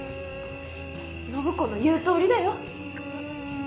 暢子の言うとおりだよ。